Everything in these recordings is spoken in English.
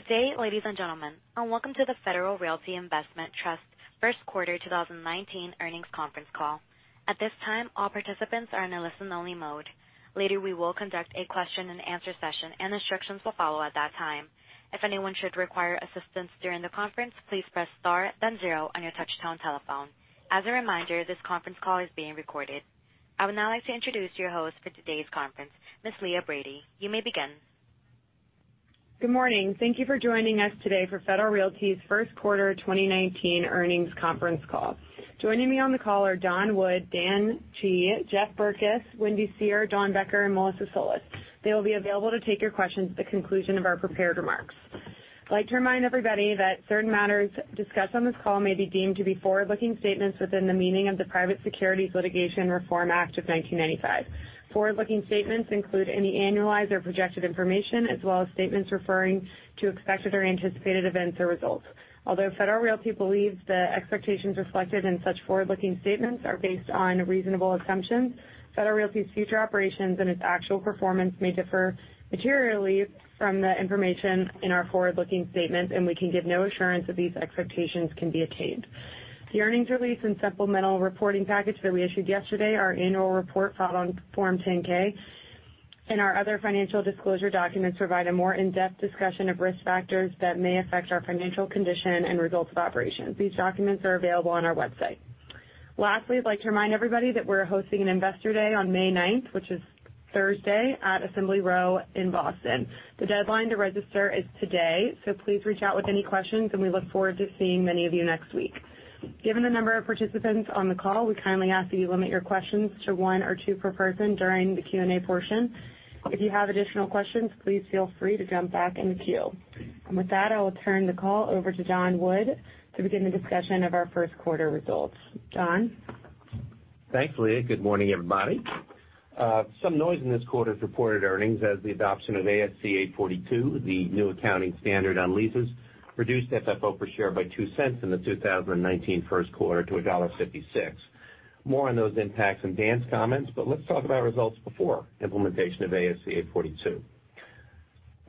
Good day, ladies and gentlemen, and welcome to the Federal Realty Investment Trust first quarter 2019 earnings conference call. At this time, all participants are in a listen only mode. Later, we will conduct a question and answer session, and instructions will follow at that time. If anyone should require assistance during the conference, please press star then zero on your touchtone telephone. As a reminder, this conference call is being recorded. I would now like to introduce your host for today's conference, Ms. Leah Brady. You may begin. Good morning. Thank you for joining us today for Federal Realty's first quarter 2019 earnings conference call. Joining me on the call are Don Wood, Dan G, Jeff Berkes, Wendy Seher, Dawn Becker, and Melissa Solis. They will be available to take your questions at the conclusion of our prepared remarks. I'd like to remind everybody that certain matters discussed on this call may be deemed to be forward-looking statements within the meaning of the Private Securities Litigation Reform Act of 1995. Forward-looking statements include any annualized or projected information, as well as statements referring to expected or anticipated events or results. Although Federal Realty believes the expectations reflected in such forward-looking statements are based on reasonable assumptions, Federal Realty's future operations and its actual performance may differ materially from the information in our forward-looking statements, and we can give no assurance that these expectations can be attained. The earnings release and supplemental reporting package that we issued yesterday, our annual report filed on Form 10-K and our other financial disclosure documents provide a more in-depth discussion of risk factors that may affect our financial condition and results of operations. These documents are available on our website. I'd like to remind everybody that we're hosting an investor day on May ninth, which is Thursday at Assembly Row in Boston. The deadline to register is today. Please reach out with any questions, we look forward to seeing many of you next week. Given the number of participants on the call, we kindly ask that you limit your questions to one or two per person during the Q&A portion. If you have additional questions, please feel free to jump back in the queue. With that, I will turn the call over to Don Wood to begin the discussion of our first quarter results. Don? Thanks, Leah. Good morning, everybody. Some noise in this quarter's reported earnings as the adoption of ASC 842, the new accounting standard on leases, reduced FFO per share by $0.02 in the 2019 first quarter to $1.56. More on those impacts in Dan's comments, let's talk about results before implementation of ASC 842.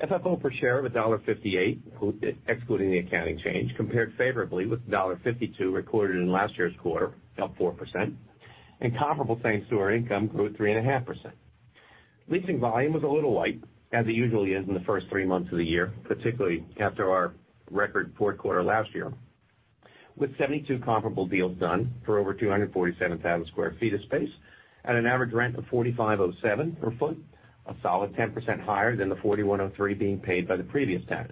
FFO per share of $1.58 excluding the accounting change compared favorably with $1.52 recorded in last year's quarter, up 4%, and comparable thanks to our income grew 3.5%. Leasing volume was a little light, as it usually is in the first three months of the year, particularly after our record fourth quarter last year. With 72 comparable deals done for over 247,000 sq ft of space at an average rent of $45.07 per foot, a solid 10% higher than the $41.03 being paid by the previous tenant.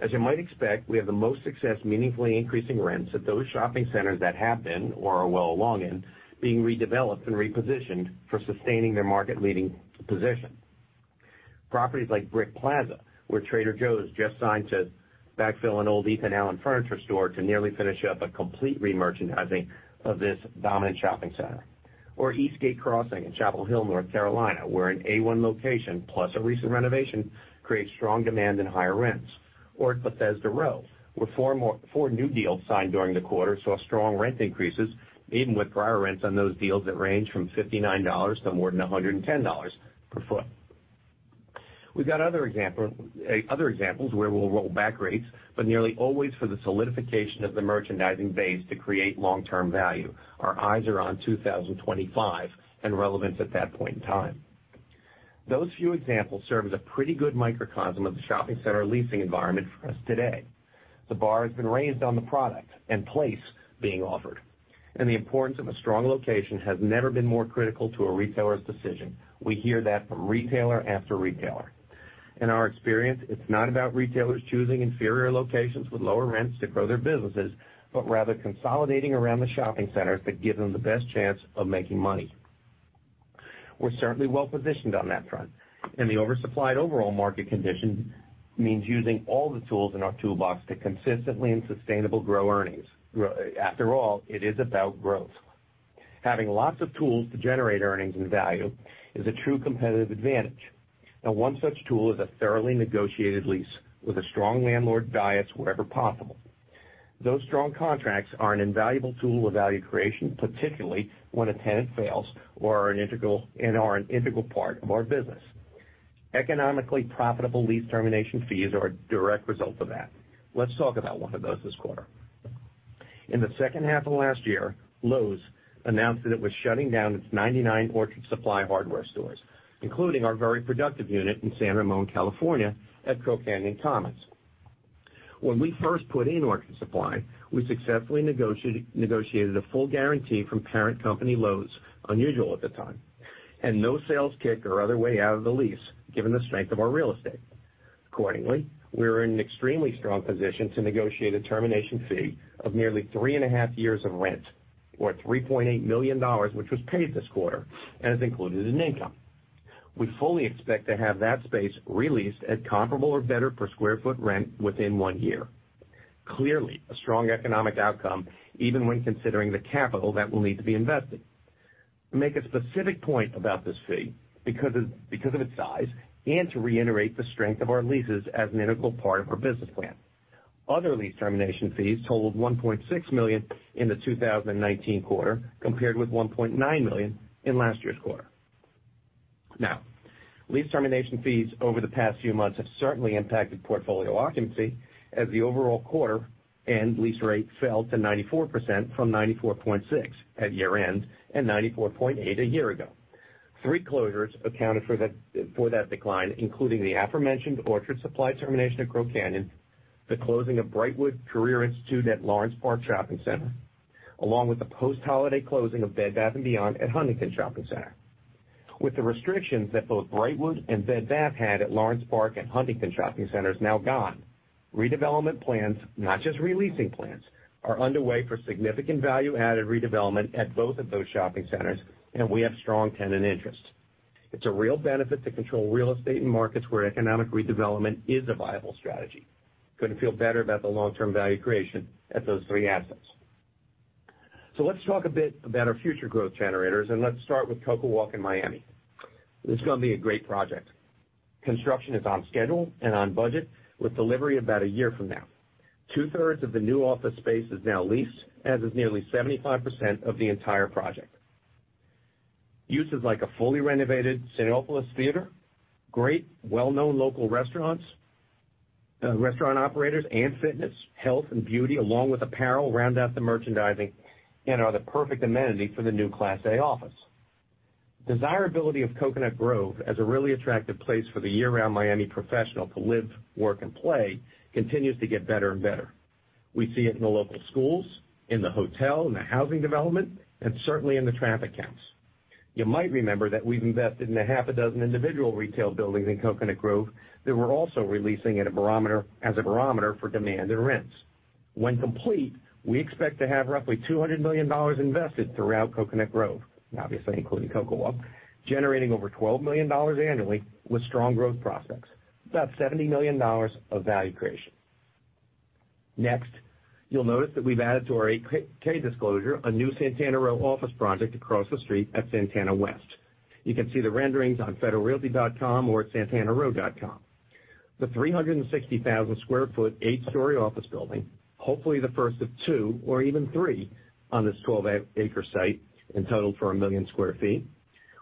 As you might expect, we have the most success meaningfully increasing rents at those shopping centers that have been or are well along in being redeveloped and repositioned for sustaining their market-leading position. Properties like Brick Plaza, where Trader Joe's just signed to backfill an old Ethan Allen furniture store to nearly finish up a complete remerchandising of this dominant shopping center. Or Eastgate Crossing in Chapel Hill, North Carolina, where an A-minus location plus a recent renovation create strong demand and higher rents. Or at Bethesda Row, where four new deals signed during the quarter saw strong rent increases, even with prior rents on those deals that range from $59 to more than $110 per foot. We've got other examples where we'll roll back rates, nearly always for the solidification of the merchandising base to create long-term value. Our eyes are on 2025 and relevance at that point in time. Those few examples serve as a pretty good microcosm of the shopping center leasing environment for us today. The bar has been raised on the product and place being offered, the importance of a strong location has never been more critical to a retailer's decision. We hear that from retailer after retailer. In our experience, it's not about retailers choosing inferior locations with lower rents to grow their businesses, but rather consolidating around the shopping centers that give them the best chance of making money. We're certainly well-positioned on that front, the oversupplied overall market condition means using all the tools in our toolbox to consistently and sustainable grow earnings. After all, it is about growth. Having lots of tools to generate earnings and value is a true competitive advantage. One such tool is a thoroughly negotiated lease with a strong landlord bias wherever possible. Those strong contracts are an invaluable tool of value creation, particularly when a tenant fails and are an integral part of our business. Economically profitable lease termination fees are a direct result of that. Let's talk about one of those this quarter. In the second half of last year, Lowe's announced that it was shutting down its 99 Orchard Supply Hardware stores, including our very productive unit in San Ramon, California at Crow Canyon Commons. When we first put in Orchard Supply, we successfully negotiated a full guarantee from parent company Lowe's, unusual at the time, no sales kick or other way out of the lease, given the strength of our real estate. Accordingly, we were in an extremely strong position to negotiate a termination fee of nearly three and a half years of rent, or $3.8 million, which was paid this quarter and is included in income. We fully expect to have that space re-leased at comparable or better per square foot rent within one year. Clearly, a strong economic outcome, even when considering the capital that will need to be invested. To make a specific point about this fee, because of its size and to reiterate the strength of our leases as an integral part of our business plan. Lease termination fees over the past few months have certainly impacted portfolio occupancy as the overall quarter and lease rate fell to 94% from 94.6% at year-end and 94.8% a year ago. Three closures accounted for that decline, including the aforementioned Orchard Supply termination at Crow Canyon, the closing of Brightwood Career Institute at Lawrence Park Shopping Center, along with the post-holiday closing of Bed Bath & Beyond at Huntington Shopping Center. With the restrictions that both Brightwood and Bed Bath had at Lawrence Park and Huntington Shopping Centers now gone, redevelopment plans, not just re-leasing plans, are underway for significant value-added redevelopment at both of those shopping centers, and we have strong tenant interest. It's a real benefit to control real estate in markets where economic redevelopment is a viable strategy. Couldn't feel better about the long-term value creation at those three assets. Let's talk a bit about our future growth generators, and let's start with CocoWalk in Miami. This is going to be a great project. Construction is on schedule and on budget with delivery about a year from now. Two-thirds of the new office space is now leased, as is nearly 75% of the entire project. Uses like a fully renovated Cinépolis Theater, great well-known local restaurant operators and fitness, health, and beauty along with apparel round out the merchandising and are the perfect amenity for the new class A office. Desirability of Coconut Grove as a really attractive place for the year-round Miami professional to live, work, and play continues to get better and better. We see it in the local schools, in the hotel and the housing development, and certainly in the traffic counts. You might remember that we've invested in a half a dozen individual retail buildings in Coconut Grove that we're also releasing as a barometer for demand and rents. When complete, we expect to have roughly $200 million invested throughout Coconut Grove, obviously including CocoWalk, generating over $12 million annually with strong growth prospects. That's $70 million of value creation. You'll notice that we've added to our 8-K disclosure a new Santana Row office project across the street at Santana West. You can see the renderings on federalrealty.com or at santanarow.com. The 360,000 square foot eight-story office building, hopefully the first of two or even three on this 12-acre site in total for a million square feet,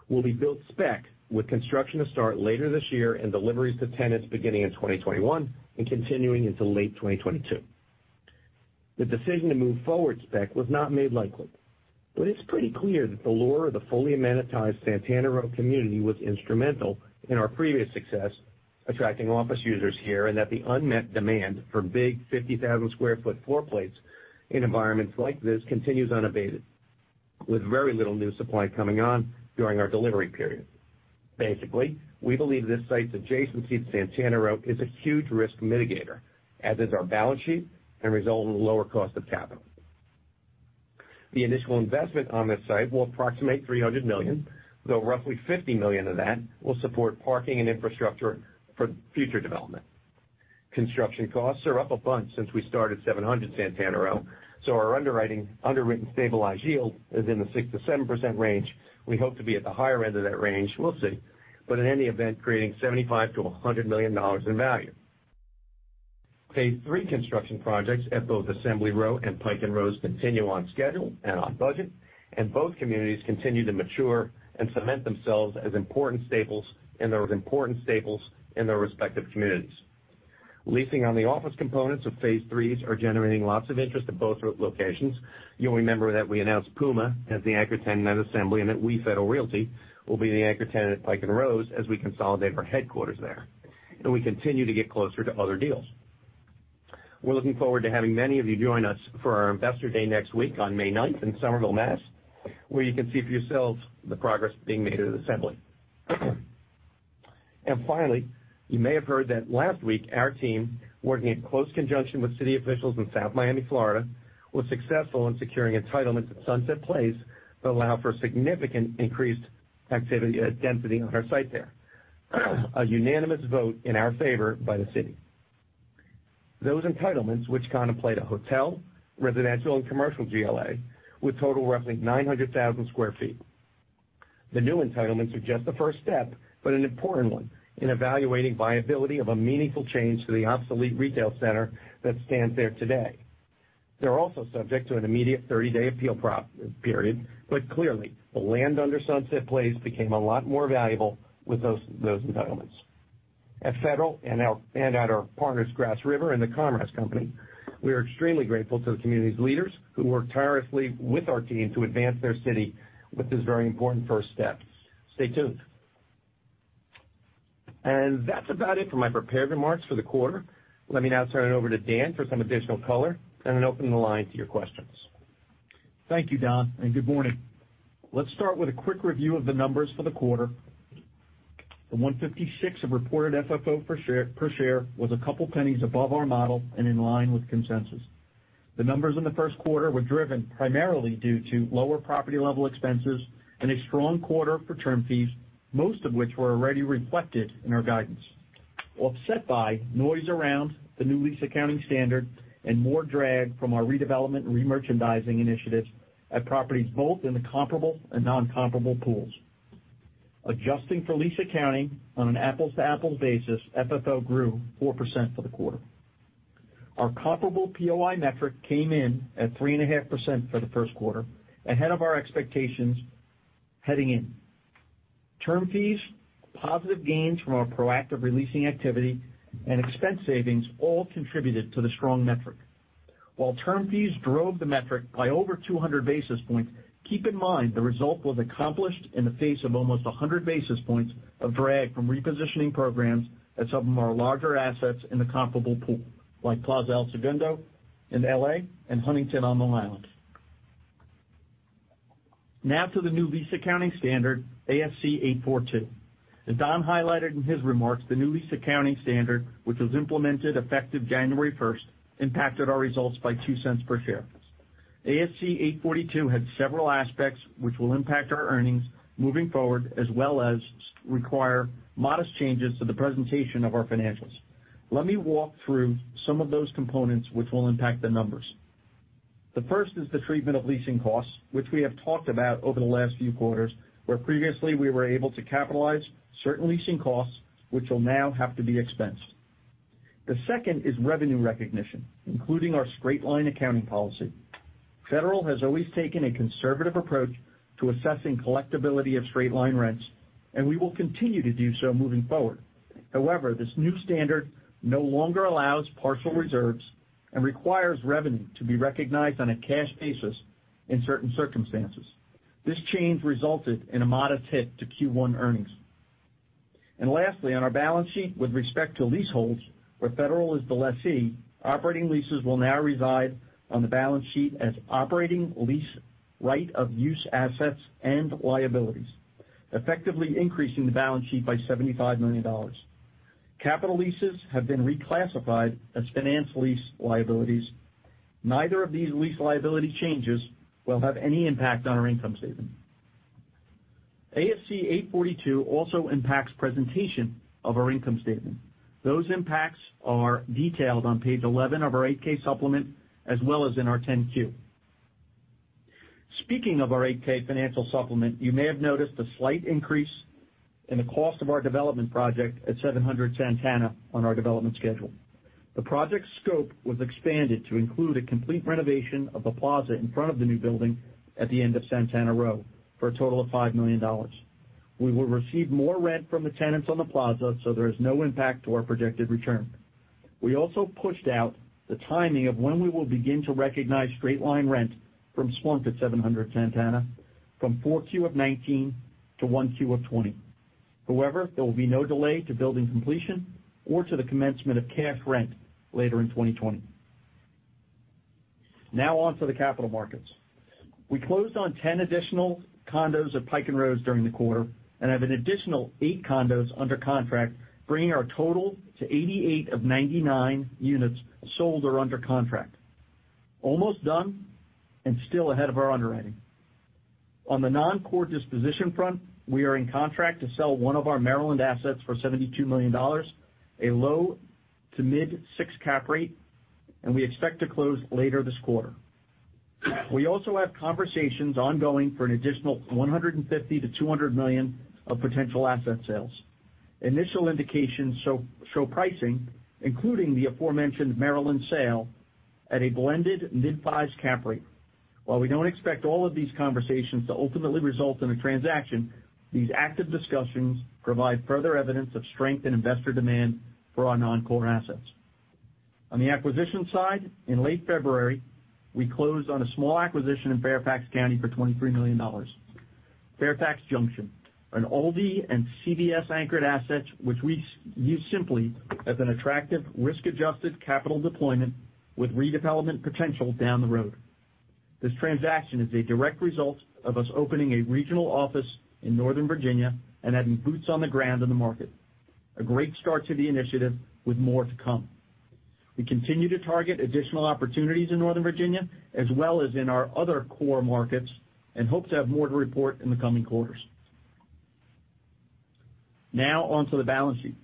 will be built spec with construction to start later this year and deliveries to tenants beginning in 2021 and continuing into late 2022. The decision to move forward spec was not made lightly. It's pretty clear that the lure of the fully amenitized Santana Row community was instrumental in our previous success attracting office users here, and that the unmet demand for big 50,000 sq ft floor plates in environments like this continues unabated with very little new supply coming on during our delivery period. Basically, we believe this site's adjacency to Santana Row is a huge risk mitigator, as is our balance sheet, and result in a lower cost of capital. The initial investment on this site will approximate $300 million, though roughly $50 million of that will support parking and infrastructure for future development. Construction costs are up a bunch since we started 700 Santana Row, our underwritten stabilized yield is in the 6%-7% range. We hope to be at the higher end of that range. We'll see. In any event, creating $75 million-$100 million in value. Phase three construction projects at both Assembly Row and Pike & Rose continue on schedule and on budget, and both communities continue to mature and cement themselves as important staples in their respective communities. Leasing on the office components of phase threes are generating lots of interest at both locations. You'll remember that we announced Puma as the anchor tenant at Assembly and that we, Federal Realty, will be the anchor tenant at Pike & Rose as we consolidate our headquarters there. We continue to get closer to other deals. We're looking forward to having many of you join us for our investor day next week on May 9th in Somerville, Mass, where you can see for yourselves the progress being made at Assembly. Finally, you may have heard that last week our team, working in close conjunction with city officials in South Miami, Florida, was successful in securing entitlements at Sunset Place that allow for significant increased activity density on our site there. A unanimous vote in our favor by the city. Those entitlements, which contemplate a hotel, residential, and commercial GLA, would total roughly 900,000 sq ft. The new entitlements are just the first step, but an important one in evaluating viability of a meaningful change to the obsolete retail center that stands there today. They're also subject to an immediate 30-day appeal period, clearly, the land under Sunset Place became a lot more valuable with those entitlements. At Federal and at our partners Grass River and The Comras Company, we are extremely grateful to the community's leaders who work tirelessly with our team to advance their city with this very important first step. Stay tuned. That's about it for my prepared remarks for the quarter. Let me now turn it over to Dan for some additional color and then open the line to your questions. Thank you, Don, and good morning. Let's start with a quick review of the numbers for the quarter. The $1.56 of reported FFO per share was $0.02 above our model and in line with consensus. The numbers in the first quarter were driven primarily due to lower property-level expenses and a strong quarter for term fees, most of which were already reflected in our guidance. Offset by noise around the new lease accounting standard and more drag from our redevelopment and remerchandising initiatives at properties both in the comparable and non-comparable pools. Adjusting for lease accounting on an apples-to-apples basis, FFO grew 4% for the quarter. Our comparable POI metric came in at 3.5% for the first quarter, ahead of our expectations heading in. Term fees, positive gains from our proactive releasing activity, and expense savings all contributed to the strong metric. While term fees drove the metric by over 200 basis points, keep in mind the result was accomplished in the face of almost 100 basis points of drag from repositioning programs at some of our larger assets in the comparable pool, like Plaza El Segundo in L.A. and Huntington on Long Island. Now to the new lease accounting standard, ASC 842. As Don highlighted in his remarks, the new lease accounting standard, which was implemented effective January 1st, impacted our results by $0.02 per share. ASC 842 had several aspects which will impact our earnings moving forward, as well as require modest changes to the presentation of our financials. Let me walk through some of those components which will impact the numbers. The first is the treatment of leasing costs, which we have talked about over the last few quarters, where previously we were able to capitalize certain leasing costs, which will now have to be expensed. The second is revenue recognition, including our straight-line accounting policy. Federal has always taken a conservative approach to assessing collectibility of straight-line rents, and we will continue to do so moving forward. However, this new standard no longer allows partial reserves and requires revenue to be recognized on a cash basis in certain circumstances. This change resulted in a modest hit to Q1 earnings. Lastly, on our balance sheet with respect to leaseholds, where Federal is the lessee, operating leases will now reside on the balance sheet as operating lease right of use assets and liabilities, effectively increasing the balance sheet by $75 million. Capital leases have been reclassified as finance lease liabilities. Neither of these lease liability changes will have any impact on our income statement. ASC 842 also impacts presentation of our income statement. Those impacts are detailed on page 11 of our 8-K supplement as well as in our 10-Q. Speaking of our 8-K financial supplement, you may have noticed a slight increase in the cost of our development project at 700 Santana on our development schedule. The project scope was expanded to include a complete renovation of the plaza in front of the new building at the end of Santana Row for a total of $5 million. We will receive more rent from the tenants on the plaza, there is no impact to our projected return. We also pushed out the timing of when we will begin to recognize straight-line rent from Splunk at 700 Santana from 4Q 2019 to 1Q 2020. However, there will be no delay to building completion or to the commencement of cash rent later in 2020. Now on to the capital markets. We closed on 10 additional condos at Pike & Rose during the quarter and have an additional 8 condos under contract, bringing our total to 88 of 99 units sold or under contract. Almost done and still ahead of our underwriting. On the non-core disposition front, we are in contract to sell one of our Maryland assets for $72 million, a low to mid six cap rate, and we expect to close later this quarter. We also have conversations ongoing for an additional $150 million to $200 million of potential asset sales. Initial indications show pricing, including the aforementioned Maryland sale, at a blended mid-fives cap rate. While we don't expect all of these conversations to ultimately result in a transaction, these active discussions provide further evidence of strength in investor demand for our non-core assets. On the acquisition side, in late February, we closed on a small acquisition in Fairfax County for $23 million. Fairfax Junction, an Aldi and CVS anchored asset, which we view simply as an attractive risk-adjusted capital deployment with redevelopment potential down the road. This transaction is a direct result of us opening a regional office in Northern Virginia and having boots on the ground in the market. A great start to the initiative with more to come. We continue to target additional opportunities in Northern Virginia, as well as in our other core markets, and hope to have more to report in the coming quarters. Now on to the balance sheet.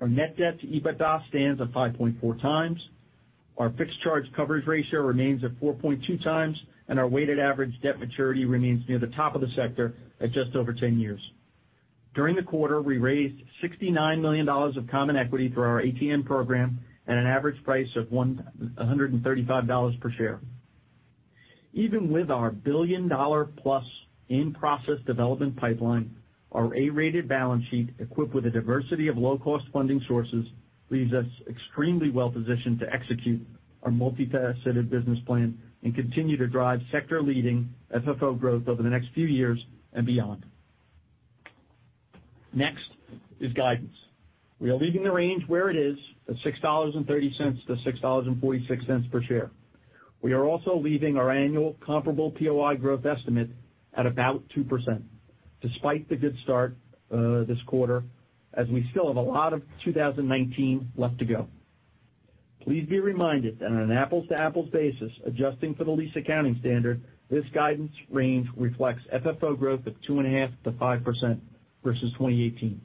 Our net debt to EBITDA stands at 5.4 times. Our fixed charge coverage ratio remains at 4.2 times, and our weighted average debt maturity remains near the top of the sector at just over 10 years. During the quarter, we raised $69 million of common equity through our ATM program at an average price of $135 per share. Even with our billion-dollar-plus in-process development pipeline, our A-rated balance sheet equipped with a diversity of low-cost funding sources leaves us extremely well positioned to execute our multifaceted business plan and continue to drive sector-leading FFO growth over the next few years and beyond. Next is guidance. We are leaving the range where it is, at $6.30 to $6.46 per share. We are also leaving our annual comparable POI growth estimate at about 2%, despite the good start this quarter, as we still have a lot of 2019 left to go. Please be reminded that on an apples-to-apples basis, adjusting for the lease accounting standard, this guidance range reflects FFO growth of 2.5%-5% versus 2018.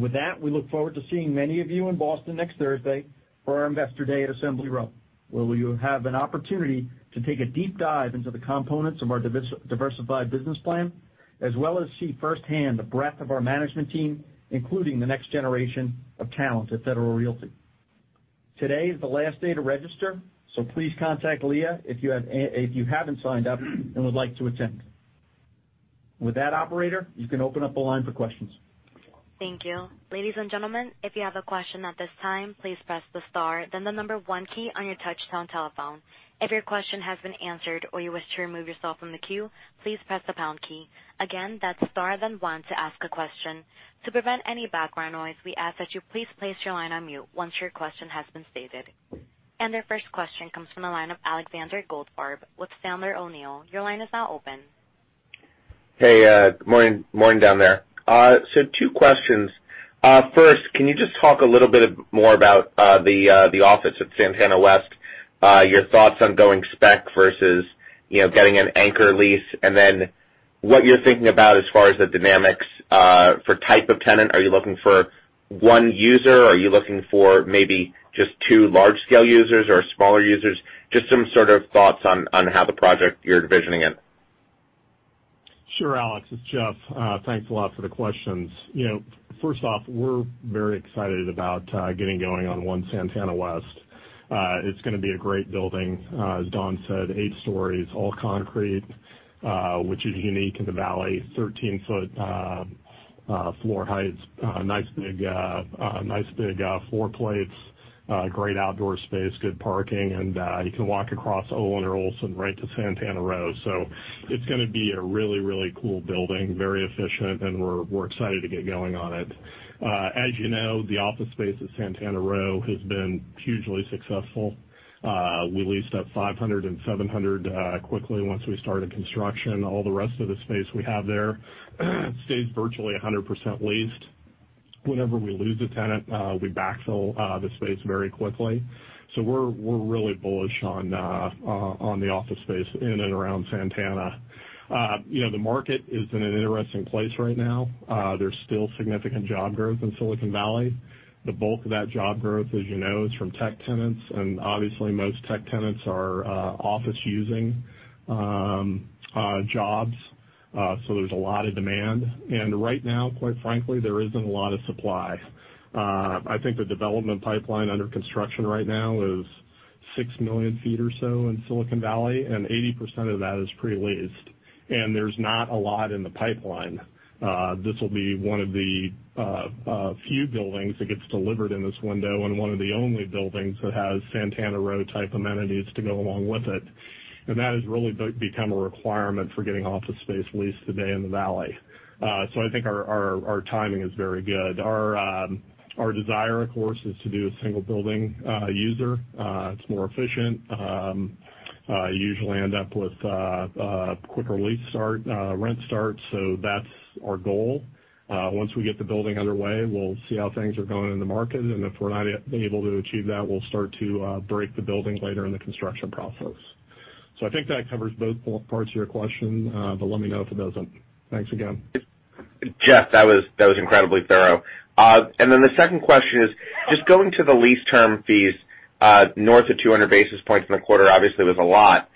With that, we look forward to seeing many of you in Boston next Thursday for our Investor Day at Assembly Row, where you will have an opportunity to take a deep dive into the components of our diversified business plan, as well as see firsthand the breadth of our management team, including the next generation of talent at Federal Realty. Today is the last day to register, please contact Leah if you haven't signed up and would like to attend. With that, operator, you can open up the line for questions. Thank you. Ladies and gentlemen, if you have a question at this time, please press the star then the number one key on your touchtone telephone. If your question has been answered or you wish to remove yourself from the queue, please press the pound key. Again, that's star then one to ask a question. To prevent any background noise, we ask that you please place your line on mute once your question has been stated. Our first question comes from the line of Alexander Goldfarb with Sandler O'Neill. Your line is now open. Hey, morning down there. Two questions. First, can you just talk a little bit more about the office at Santana West, your thoughts on going spec versus getting an anchor lease, and then what you're thinking about as far as the dynamics for type of tenant. Are you looking for one user? Are you looking for maybe just two large-scale users or smaller users? Just some sort of thoughts on how the project you're envisioning it. Sure, Alex, it's Jeff. Thanks a lot for the questions. First off, we're very excited about getting going on One Santana West. It's going to be a great building. As Don said, eight stories, all concrete, which is unique in the valley, 13-foot floor heights, nice big floor plates, great outdoor space, good parking, and you can walk across Olsen or Olsen right to Santana Row. It's going to be a really, really cool building, very efficient, and we're excited to get going on it. As you know, the office space at Santana Row has been hugely successful. We leased up 500 and 700 quickly once we started construction. All the rest of the space we have there stays virtually 100% leased. Whenever we lose a tenant, we backfill the space very quickly. We're really bullish on the office space in and around Santana. The market is in an interesting place right now. There's still significant job growth in Silicon Valley. The bulk of that job growth, as you know, is from tech tenants, and obviously, most tech tenants are office using jobs. There's a lot of demand, and right now, quite frankly, there isn't a lot of supply. I think the development pipeline under construction right now is 6 million feet or so in Silicon Valley, and 80% of that is pre-leased, and there's not a lot in the pipeline. This will be one of the few buildings that gets delivered in this window and one of the only buildings that has Santana Row type amenities to go along with it. That has really become a requirement for getting office space leased today in the valley. I think our timing is very good. Our desire, of course, is to do a single building user. It's more efficient. You usually end up with a quicker lease start, rent start, that's our goal. Once we get the building underway, we'll see how things are going in the market, and if we're not able to achieve that, we'll start to break the building later in the construction process. I think that covers both parts of your question, but let me know if it doesn't. Thanks again. Jeff, that was incredibly thorough. The second question is, just going to the lease term fees north of 200 basis points in the quarter obviously was a lot.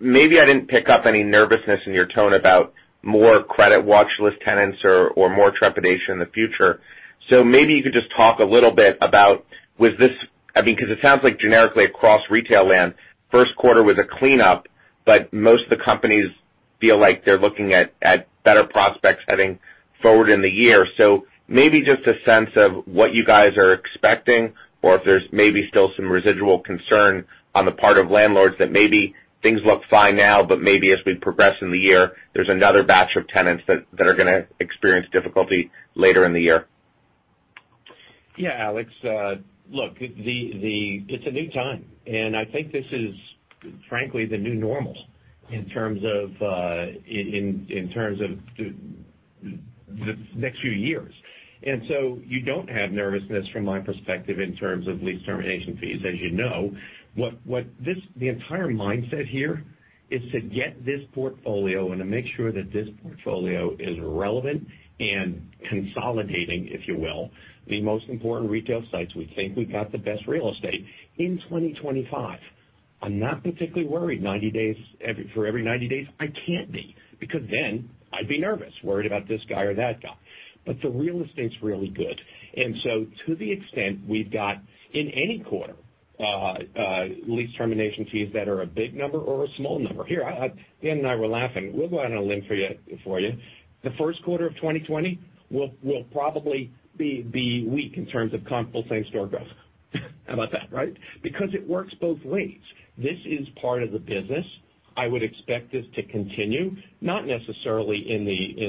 Maybe I didn't pick up any nervousness in your tone about more credit watch list tenants or more trepidation in the future. Maybe you could just talk a little bit about, because it sounds like generically across retail land, first quarter was a cleanup, but most of the companies feel like they're looking at better prospects heading forward in the year. Maybe just a sense of what you guys are expecting or if there's maybe still some residual concern on the part of landlords that maybe things look fine now, but maybe as we progress in the year, there's another batch of tenants that are going to experience difficulty later in the year. Yeah, Alex. Look, it's a new time, and I think this is, frankly, the new normal in terms of the next few years. You don't have nervousness from my perspective in terms of lease termination fees, as you know. The entire mindset here is to get this portfolio and to make sure that this portfolio is relevant and consolidating, if you will, the most important retail sites. We think we've got the best real estate in 2025. I'm not particularly worried for every 90 days. I can't be, because then I'd be nervous, worried about this guy or that guy. The real estate's really good. To the extent we've got, in any quarter, lease termination fees that are a big number or a small number. Dan and I were laughing. We'll go out on a limb for you. The first quarter of 2020 will probably be weak in terms of comparable same-store growth. How about that, right? It works both ways. This is part of the business. I would expect this to continue, not necessarily in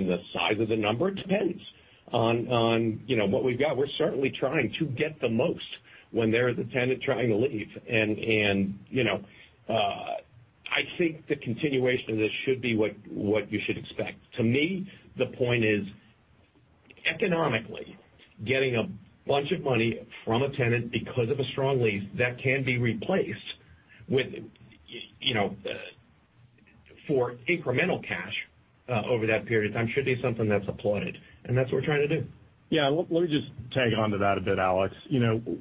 the size of the number. It depends on what we've got. We're certainly trying to get the most when there is a tenant trying to leave. I think the continuation of this should be what you should expect. To me, the point is, economically, getting a bunch of money from a tenant because of a strong lease that can be replaced for incremental cash over that period of time should be something that's applied. That's what we're trying to do. Yeah, let me just tag onto that a bit, Alex.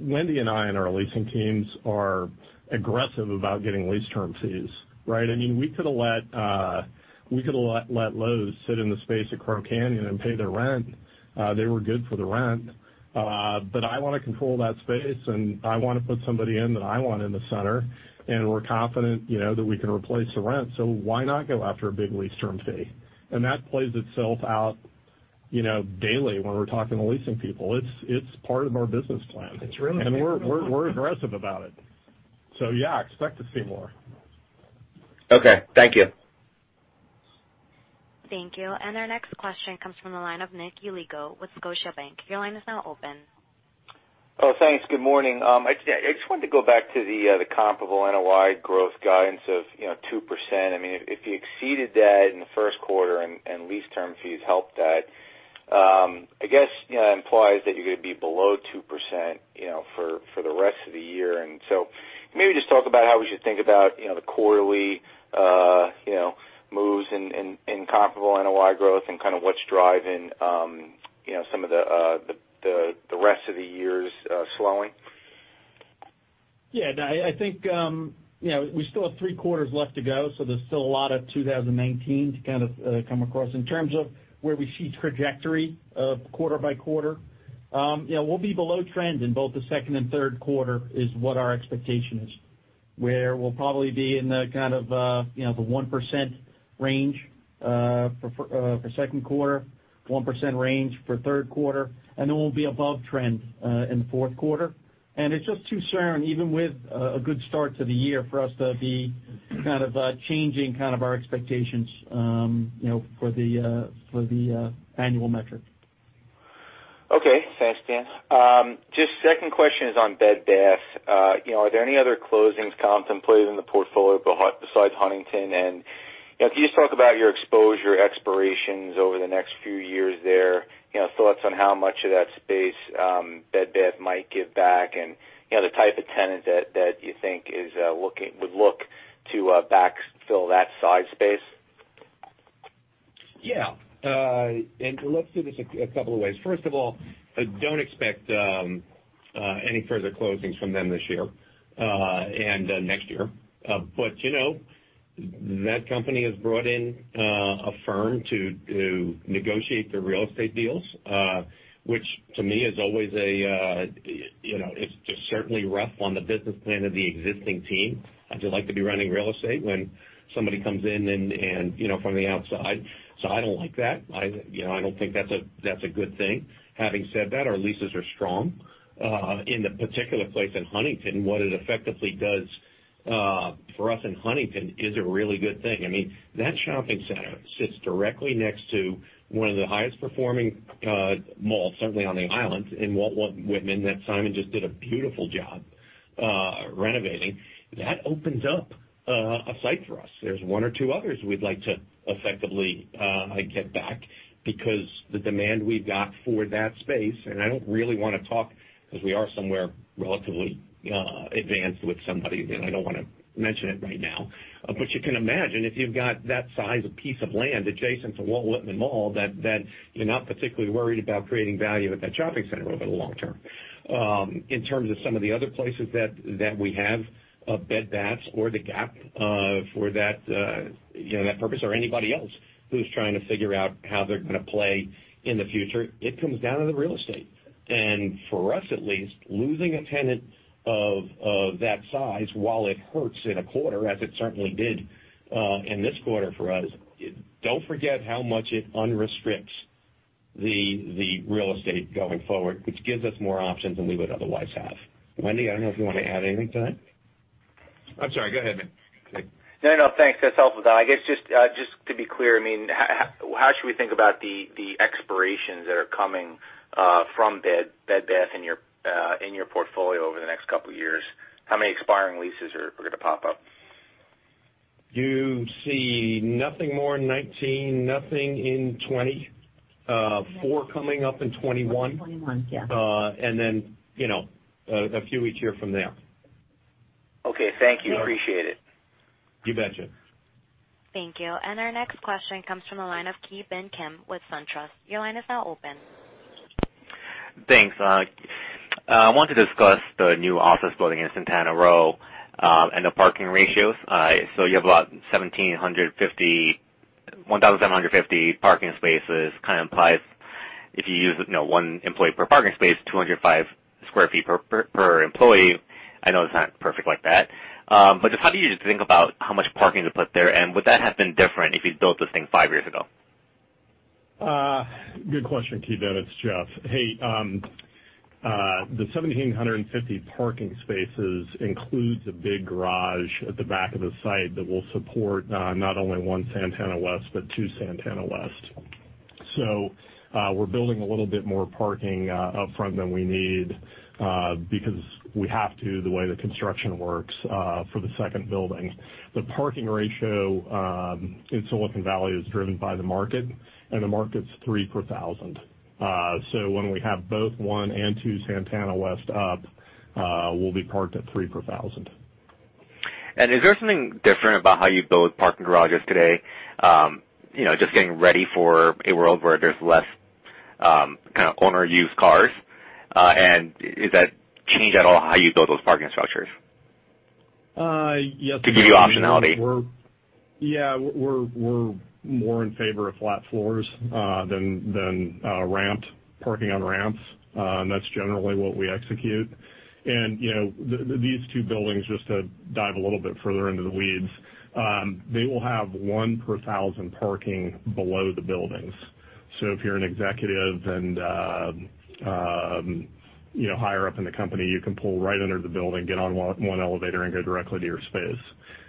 Wendy and I and our leasing teams are aggressive about getting lease term fees, right? We could've let Lowe's sit in the space at Crow Canyon and pay their rent. They were good for the rent. I want to control that space, and I want to put somebody in that I want in the center, and we're confident that we can replace the rent, so why not go after a big lease term fee? That plays itself out daily when we're talking to leasing people. It's part of our business plan. It's really- We're aggressive about it. Yeah, expect to see more. Okay. Thank you. Thank you. Our next question comes from the line of Nicholas Yulico with Scotiabank. Your line is now open. Thanks. Good morning. I just wanted to go back to the comparable NOI growth guidance of 2%. If you exceeded that in the first quarter and lease term fees helped that, I guess, that implies that you're going to be below 2% for the rest of the year. Maybe just talk about how we should think about the quarterly moves in comparable NOI growth and kind of what's driving some of the rest of the year's slowing. I think we still have three quarters left to go, so there's still a lot of 2019 to kind of come across. In terms of where we see trajectory of quarter by quarter, we'll be below trend in both the second and third quarter is what our expectation is, where we'll probably be in the kind of the 1% range for second quarter, 1% range for third quarter, then we'll be above trend in the fourth quarter. It's just too soon, even with a good start to the year, for us to be kind of changing kind of our expectations for the annual metric. Okay. Thanks, Dan. Second question is on Bed Bath. Are there any other closings contemplated in the portfolio besides Huntington? Can you just talk about your exposure expirations over the next few years there, thoughts on how much of that space Bed Bath might give back, and the type of tenant that you think would look to backfill that size space? Yeah. Let's do this a couple of ways. First of all, I don't expect any further closings from them this year and next year. That company has brought in a firm to negotiate their real estate deals, which to me is always It's just certainly rough on the business plan of the existing team. How'd you like to be running real estate when somebody comes in from the outside? I don't like that. I don't think that's a good thing. Having said that, our leases are strong. In the particular place in Huntington, what it effectively does for us in Huntington is a really good thing. That shopping center sits directly next to one of the highest performing malls, certainly on the island, in Walt Whitman, that Simon just did a beautiful job renovating. That opens up a site for us. There's one or two others we'd like to effectively get back because the demand we've got for that space. I don't really want to talk because we are somewhere relatively advanced with somebody, and I don't want to mention it right now. You can imagine, if you've got that size a piece of land adjacent to Walt Whitman Mall, that you're not particularly worried about creating value at that shopping center over the long term. In terms of some of the other places that we have Bed Baths or the Gap for that purpose or anybody else who's trying to figure out how they're going to play in the future, it comes down to the real estate. For us, at least, losing a tenant of that size, while it hurts in a quarter, as it certainly did in this quarter for us, don't forget how much it unrestricts the real estate going forward, which gives us more options than we would otherwise have. Wendy, I don't know if you want to add anything to that. I'm sorry. Go ahead, Nick. No, no. Thanks. That's helpful, though. I guess, just to be clear, how should we think about the expirations that are coming from Bed Bath in your portfolio over the next couple of years? How many expiring leases are going to pop up? You see nothing more in 2019, nothing in 2020, four coming up in 2021. 2021, yeah. Then, a few each year from there. Okay. Thank you. Appreciate it. You betcha. Thank you. Our next question comes from the line of Ki Bin Kim with SunTrust. Your line is now open. Thanks. I wanted to discuss the new office building in Santana Row and the parking ratios. You have about 1,750 parking spaces, kind of implies if you use one employee per parking space, 205 sq ft per employee. I know it's not perfect like that. Just how do you think about how much parking to put there? Would that have been different if you built this thing five years ago? Good question, Ki-Bin. It's Jeff. Hey, the 1,750 parking spaces includes a big garage at the back of the site that will support not only one Santana West, but two Santana West. We're building a little bit more parking up front than we need because we have to, the way the construction works for the second building. The parking ratio in Silicon Valley is driven by the market, and the market's three per thousand. When we have both one and two Santana West up, we'll be parked at three per thousand. Is there something different about how you build parking garages today, just getting ready for a world where there's less kind of owner-used cars? Does that change at all how you build those parking structures? Yes. To give you optionality. Yeah. We're more in favor of flat floors than parking on ramps. That's generally what we execute. These two buildings, just to dive a little bit further into the weeds, they will have one per thousand parking below the buildings. If you're an executive and higher up in the company, you can pull right under the building, get on one elevator, and go directly to your space.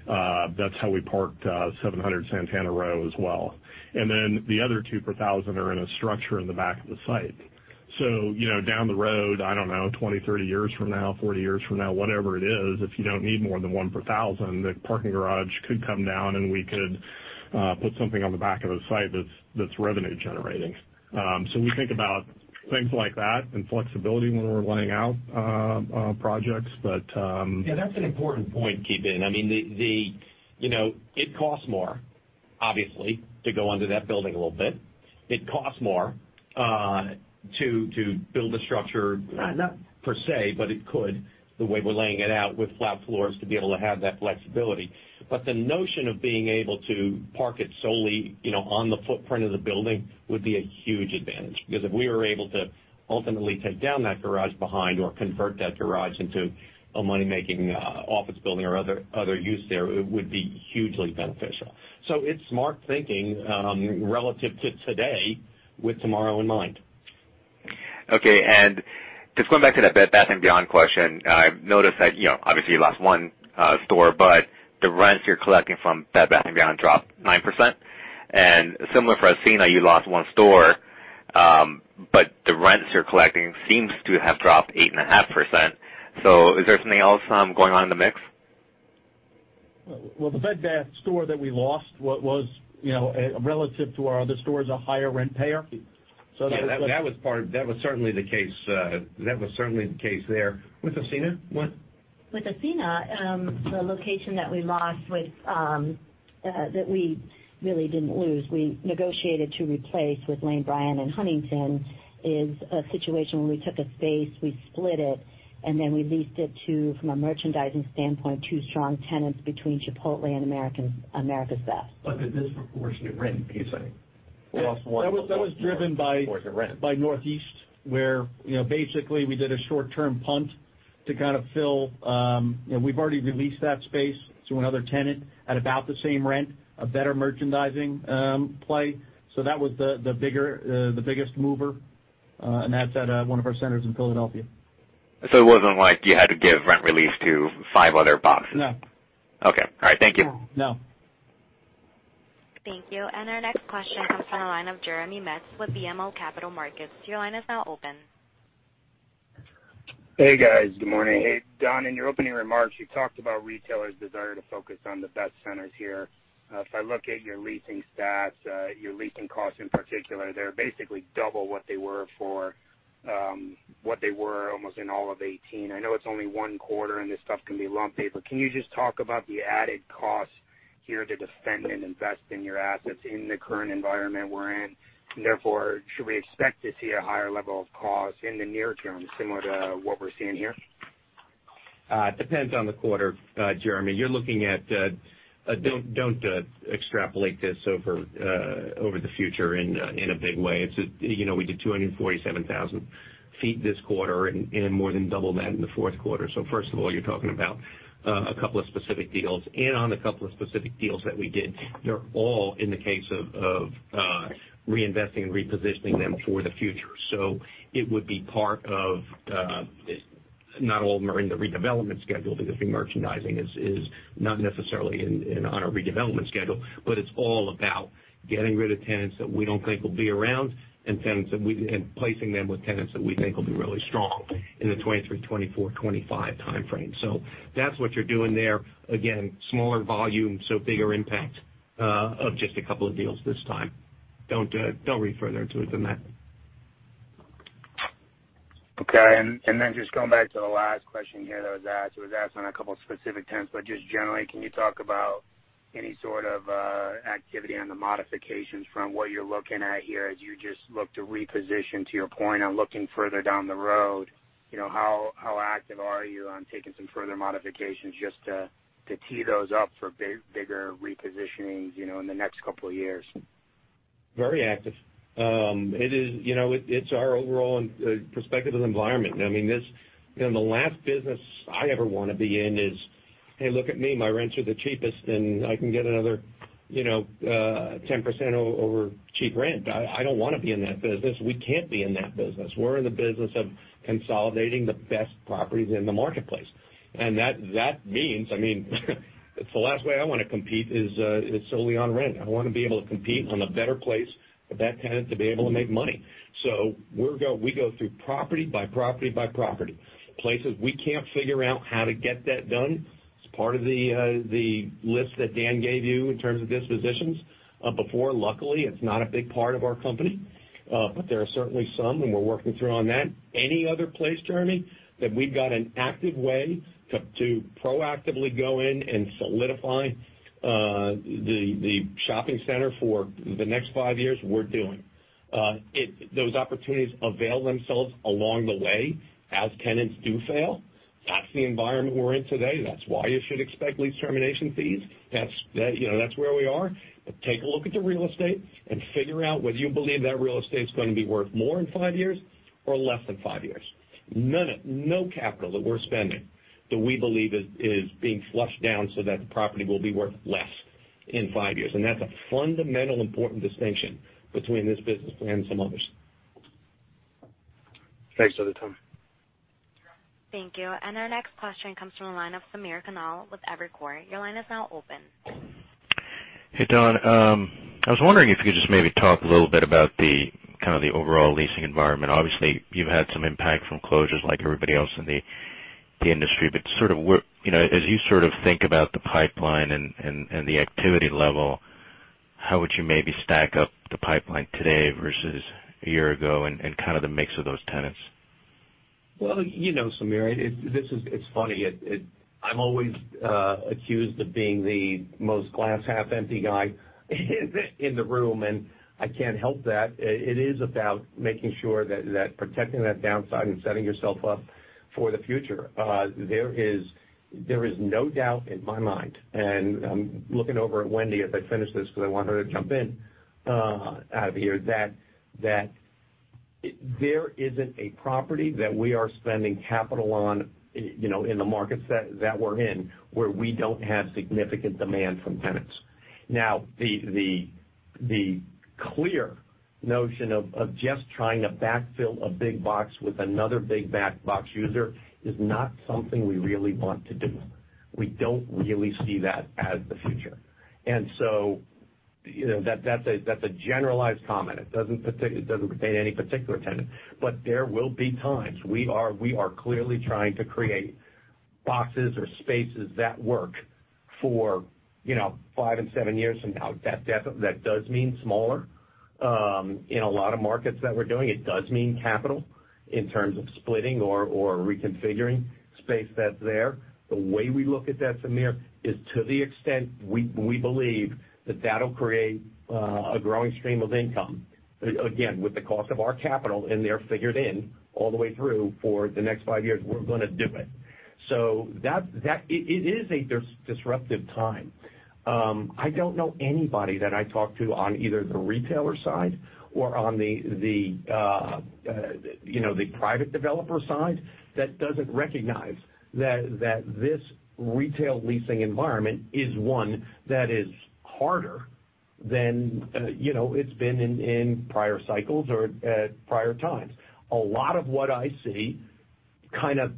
That's how we parked 700 Santana Row as well. The other two per thousand are in a structure in the back of the site. Down the road, I don't know, 20, 30 years from now, 40 years from now, whatever it is, if you don't need more than one per thousand, the parking garage could come down, and we could put something on the back of the site that's revenue generating. We think about things like that and flexibility when we're laying out projects. Yeah, that's an important point, Ki Bin. It costs more, obviously, to go under that building a little bit. It costs more to build a structure, not per se, but it could, the way we're laying it out with flat floors to be able to have that flexibility. The notion of being able to park it solely on the footprint of the building would be a huge advantage. If we were able to ultimately take down that garage behind or convert that garage into a money-making office building or other use there, it would be hugely beneficial. It's smart thinking relative to today with tomorrow in mind. Okay, just going back to that Bed Bath & Beyond question, I've noticed that, obviously, you lost one store, but the rents you're collecting from Bed Bath & Beyond dropped 9%. Similar for Ascena, you lost one store, but the rents you're collecting seems to have dropped 8.5%. Is there something else going on in the mix? Well, the Bed Bath store that we lost was, relative to our other stores, a higher rent payer. Yeah, that was certainly the case there. With Ascena, what? With Ascena, the location that we lost that we really didn't lose, we negotiated to replace with Lane Bryant in Huntington, is a situation where we took a space, we split it, and then we leased it to, from a merchandising standpoint, two strong tenants between Chipotle and America's Best. The disproportionate rent piece, I think. You lost one- That was driven by- Was the rent Northeast, where basically we did a short-term punt to kind of fill. We've already re-leased that space to another tenant at about the same rent, a better merchandising play. That was the biggest mover, and that's at one of our centers in Philadelphia. It wasn't like you had to give rent release to five other boxes. No. Okay. All right. Thank you. No. Thank you. Our next question comes from the line of Jeremy Metz with BMO Capital Markets. Your line is now open. Hey, guys. Good morning. Hey, Don, in your opening remarks, you talked about retailers' desire to focus on the best centers here. If I look at your leasing stats, your leasing costs in particular, they're basically double what they were almost in all of 2018. I know it's only one quarter, this stuff can be lumpy, but can you just talk about the added costs here to defend and invest in your assets in the current environment we're in? Therefore, should we expect to see a higher level of costs in the near term, similar to what we're seeing here? It depends on the quarter, Jeremy. Don't extrapolate this over the future in a big way. We did 247,000 feet this quarter and more than double that in the fourth quarter. First of all, you're talking about a couple of specific deals. On a couple of specific deals that we did, they're all in the case of reinvesting and repositioning them for the future. It would be part of, not all of them are in the redevelopment schedule because the merchandising is not necessarily on a redevelopment schedule, but it's all about getting rid of tenants that we don't think will be around and placing them with tenants that we think will be really strong in the 2023, 2024, 2025 timeframe. That's what you're doing there. Again, smaller volume, bigger impact of just a couple of deals this time. Don't read further into it than that. Okay. Just going back to the last question here that was asked. It was asked on a couple of specific terms, but just generally, can you talk about any sort of activity on the modifications from what you're looking at here as you just look to reposition to your point on looking further down the road? How active are you on taking some further modifications just to tee those up for bigger repositionings in the next couple of years? Very active. It's our overall perspective of the environment. The last business I ever want to be in is, "Hey, look at me, my rents are the cheapest, and I can get another 10% over cheap rent." I don't want to be in that business. We can't be in that business. We're in the business of consolidating the best properties in the marketplace. That means, it's the last way I want to compete is solely on rent. I want to be able to compete on a better place for that tenant to be able to make money. We go through property by property by property. Places we can't figure out how to get that done, it's part of the list that Dan gave you in terms of dispositions before. Luckily, it's not a big part of our company. There are certainly some, and we're working through on that. Any other place, Jeremy, that we've got an active way to proactively go in and solidify the shopping center for the next five years, we're doing. Those opportunities avail themselves along the way as tenants do fail. That's the environment we're in today. That's why you should expect lease termination fees. That's where we are. Take a look at the real estate and figure out whether you believe that real estate's going to be worth more in five years or less than five years. No capital that we're spending do we believe is being flushed down so that the property will be worth less in five years. That's a fundamental important distinction between this business plan and some others. Thanks for the time. Thank you. Our next question comes from the line of Sameer Kanal with Evercore. Your line is now open. Hey, Don. I was wondering if you could just maybe talk a little bit about the overall leasing environment. Obviously, you've had some impact from closures like everybody else in the industry, but as you think about the pipeline and the activity level, how would you maybe stack up the pipeline today versus a year ago and the mix of those tenants? Well, Sameer, it's funny. I'm always accused of being the most glass half empty guy in the room, and I can't help that. It is about making sure that protecting that downside and setting yourself up for the future. There is no doubt in my mind, and I'm looking over at Wendy as I finish this because I want her to jump in out of here, that there isn't a property that we are spending capital on, in the markets that we're in, where we don't have significant demand from tenants. Now, the clear notion of just trying to backfill a big box with another big box user is not something we really want to do. We don't really see that as the future. That's a generalized comment. It doesn't pertain to any particular tenant. There will be times. We are clearly trying to create boxes or spaces that work for five and seven years from now. That does mean smaller. In a lot of markets that we're doing, it does mean capital in terms of splitting or reconfiguring space that's there. The way we look at that, Sameer, is to the extent we believe that that'll create a growing stream of income. Again, with the cost of our capital in there figured in all the way through for the next five years, we're going to do it. It is a disruptive time. I don't know anybody that I talk to on either the retailer side or on the private developer side that doesn't recognize that this retail leasing environment is one that is harder than it's been in prior cycles or at prior times. A lot of what I see has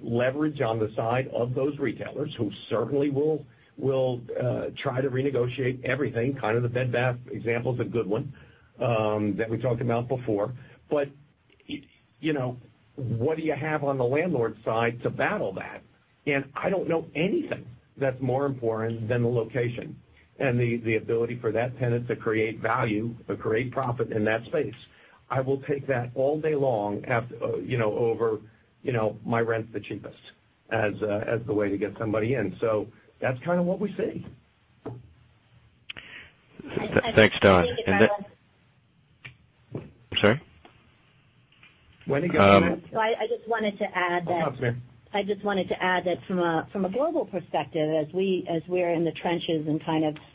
leverage on the side of those retailers who certainly will try to renegotiate everything. The Bed Bath example is a good one that we talked about before. What do you have on the landlord side to battle that? I don't know anything that's more important than the location and the ability for that tenant to create value or create profit in that space. I will take that all day long over, "My rent's the cheapest," as the way to get somebody in. That's what we see. Thanks, Don. I'm sorry? Wendy, go ahead. I just wanted to add that. No, it's okay. I just wanted to add that from a global perspective, as we're in the trenches and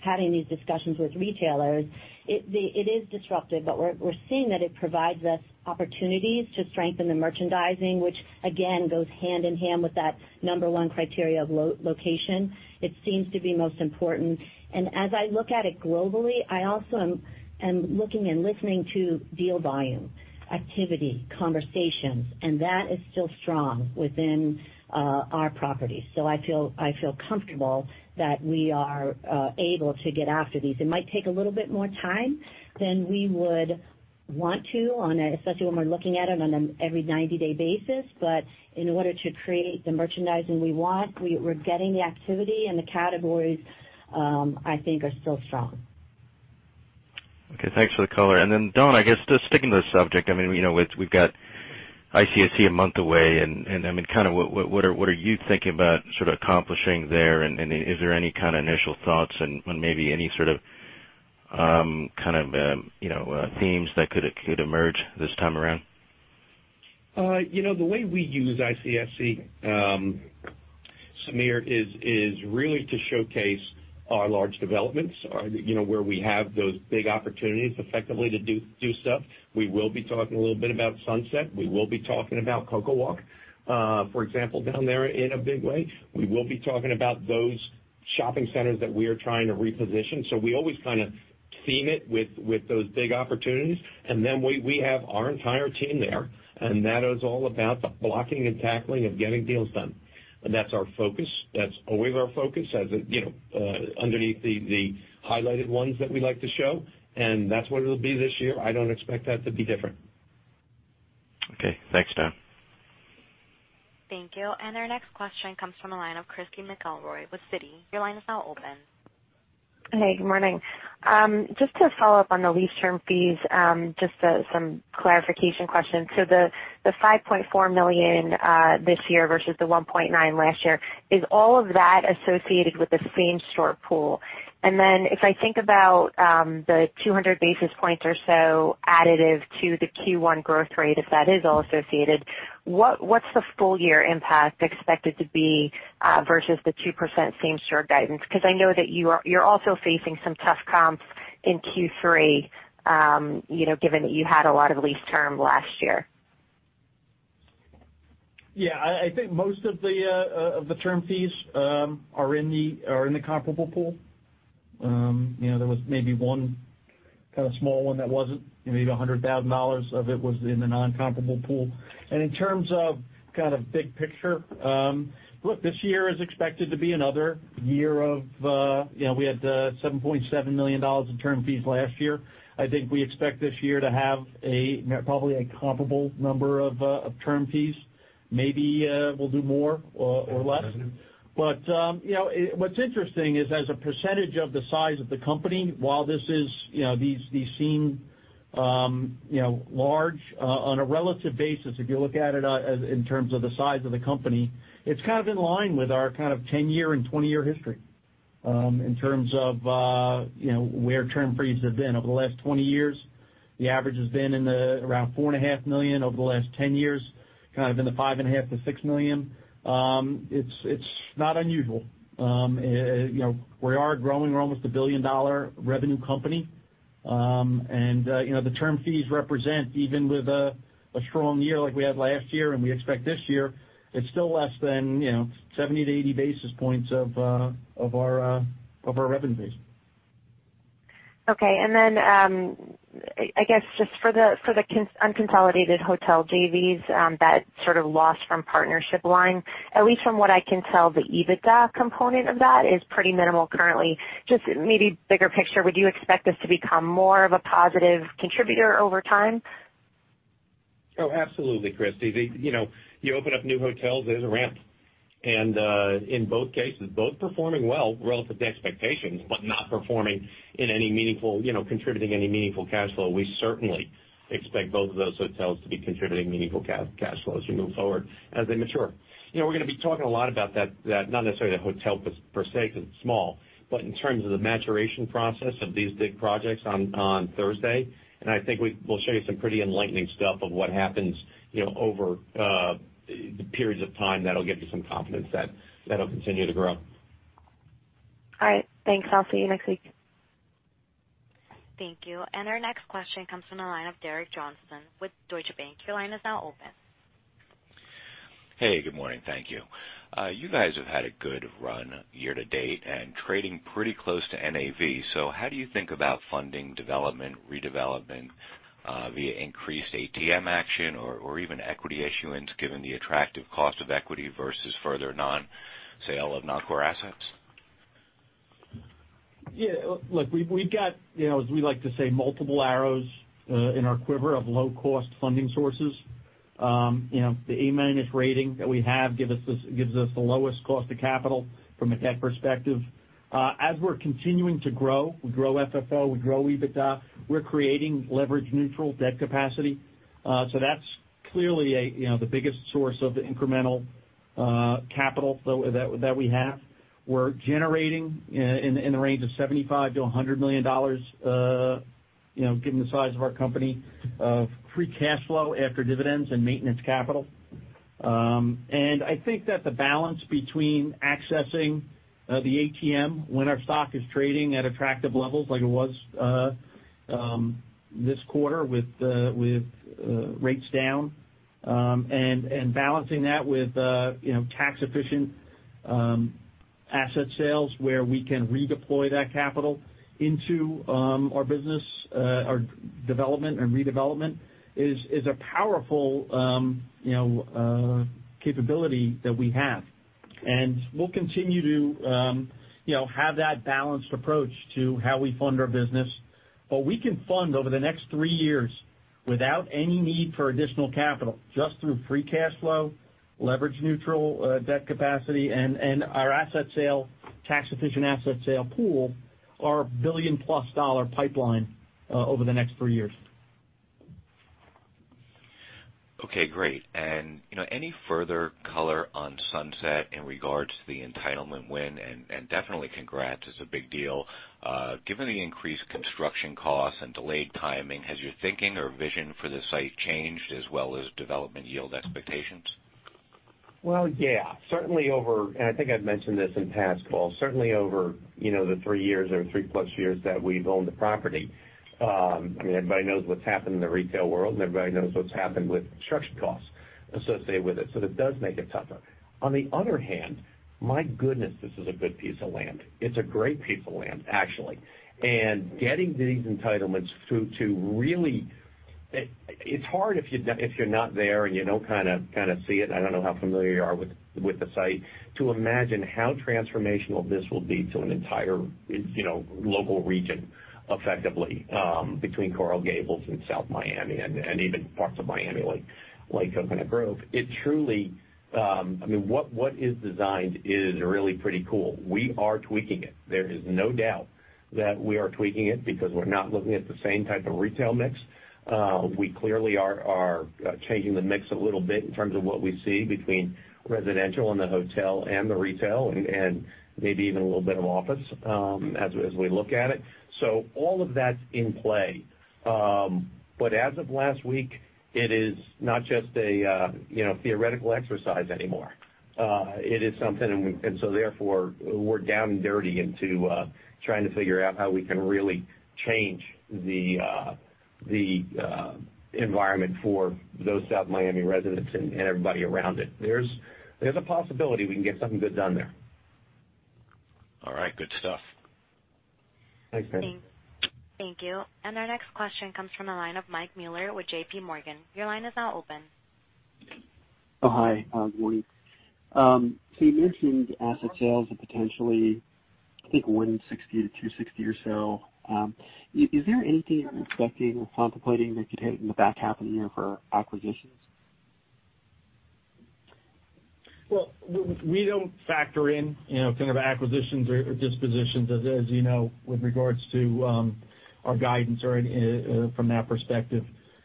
having these discussions with retailers, it is disruptive, but we're seeing that it provides us opportunities to strengthen the merchandising, which again goes hand in hand with that number one criteria of location. It seems to be most important. As I look at it globally, I also am looking and listening to deal volume, activity, conversations. That is still strong within our properties. I feel comfortable that we are able to get after these. It might take a little bit more time than we would want to, especially when we're looking at them on an every 90-day basis, but in order to create the merchandising we want, we're getting the activity, and the categories, I think are still strong. Okay. Thanks for the color. Don, I guess just sticking to the subject, we've got ICSC a month away. What are you thinking about accomplishing there? Is there any kind of initial thoughts and maybe any sort of themes that could emerge this time around? The way we use ICSC, Sameer, is really to showcase our large developments, where we have those big opportunities effectively to do stuff. We will be talking a little bit about Sunset. We will be talking about CocoWalk for example, down there in a big way. We will be talking about those shopping centers that we are trying to reposition. We always kind of theme it with those big opportunities. We have our entire team there. That is all about the blocking and tackling of getting deals done. That's our focus. That's always our focus underneath the highlighted ones that we like to show. That's what it'll be this year. I don't expect that to be different. Okay. Thanks, Don. Thank you. Our next question comes from the line of Christy McElroy with Citi. Your line is now open. Hey, good morning. Just to follow up on the lease term fees, just some clarification questions. The $5.4 million this year versus the $1.9 million last year, is all of that associated with the same-store pool? If I think about the 200 basis points or so additive to the Q1 growth rate, if that is all associated, what's the full year impact expected to be versus the 2% same-store guidance? I know that you're also facing some tough comps in Q3 given that you had a lot of lease term last year. Yeah, I think most of the term fees are in the comparable pool. There was maybe one kind of small one that wasn't, maybe $100,000 of it was in the non-comparable pool. In terms of kind of big picture, look, we had $7.7 million in term fees last year. I think we expect this year to have probably a comparable number of term fees. Maybe we'll do more or less. What's interesting is as a percentage of the size of the company, while these seem large on a relative basis, if you look at it in terms of the size of the company, it's kind of in line with our kind of 10-year and 20-year history, in terms of where term fees have been. Over the last 20 years, the average has been in the around four and a half million, over the last 10 years, kind of in the five and a half to six million. It's not unusual. We are growing. We're almost a billion-dollar revenue company. The term fees represent, even with a strong year like we had last year and we expect this year, it's still less than 70 to 80 basis points of our revenue base. Okay. I guess just for the unconsolidated hotel JVs, that sort of loss from partnership line, at least from what I can tell, the EBITDA component of that is pretty minimal currently. Just maybe bigger picture, would you expect this to become more of a positive contributor over time? Oh, absolutely, Christy. You open up new hotels, there's a ramp. In both cases, both performing well relative to expectations, but not contributing any meaningful cash flow. We certainly expect both of those hotels to be contributing meaningful cash flow as we move forward, as they mature. We're going to be talking a lot about that, not necessarily the hotel per se, because it's small, but in terms of the maturation process of these big projects on Thursday. I think we'll show you some pretty enlightening stuff of what happens over the periods of time that'll give you some confidence that it'll continue to grow. All right. Thanks. I'll see you next week. Thank you. Our next question comes from the line of Derek Johnston with Deutsche Bank. Your line is now open. Hey, good morning. Thank you. You guys have had a good run year-to-date and trading pretty close to NAV. How do you think about funding development, redevelopment, via increased ATM action or even equity issuance, given the attractive cost of equity versus further non-sale of non-core assets? Look, we've got, as we like to say, multiple arrows in our quiver of low-cost funding sources. The A-minus rating that we have gives us the lowest cost of capital from a debt perspective. As we're continuing to grow, we grow FFO, we grow EBITDA, we're creating leverage-neutral debt capacity. That's clearly the biggest source of the incremental capital that we have. We're generating in the range of $75 million to $100 million, given the size of our company, of free cash flow after dividends and maintenance capital. I think that the balance between accessing the ATM when our stock is trading at attractive levels like it was this quarter with rates down, and balancing that with tax-efficient asset sales where we can redeploy that capital into our business, our development and redevelopment, is a powerful capability that we have. We'll continue to have that balanced approach to how we fund our business. We can fund over the next three years without any need for additional capital, just through free cash flow, leverage-neutral debt capacity, and our asset sale, tax-efficient asset sale pool, our billion-plus dollar pipeline over the next three years. Okay, great. Any further color on Sunset in regards to the entitlement win, and definitely congrats, it's a big deal. Given the increased construction costs and delayed timing, has your thinking or vision for the site changed as well as development yield expectations? Well, yeah. I think I've mentioned this in past calls, certainly over the three years or three-plus years that we've owned the property. I mean, everybody knows what's happened in the retail world. Everybody knows what's happened with construction costs associated with it, that does make it tougher. On the other hand, my goodness, this is a good piece of land. It's a great piece of land, actually. Getting these entitlements through to really It's hard if you're not there and you don't kind of see it, I don't know how familiar you are with the site, to imagine how transformational this will be to an entire local region, effectively, between Coral Gables and South Miami and even parts of Miami like Coconut Grove. I mean, what is designed is really pretty cool. We are tweaking it. There is no doubt that we are tweaking it because we're not looking at the same type of retail mix. We clearly are changing the mix a little bit in terms of what we see between residential and the hotel and the retail, and maybe even a little bit of office as we look at it. All of that's in play. As of last week, it is not just a theoretical exercise anymore. It is something. Therefore, we're down and dirty into trying to figure out how we can really change the environment for those South Miami residents and everybody around it. There's a possibility we can get something good done there. All right, good stuff. Thanks, Ben. Thank you. Our next question comes from the line of Michael Mueller with JPMorgan. Your line is now open. Hi, good morning. You mentioned asset sales of potentially, I think, $160-$260 or so. Is there anything you're expecting or contemplating that you'd take in the back half of the year for acquisitions? Well, we don't factor in kind of acquisitions or dispositions as you know with regards to our guidance or from that perspective.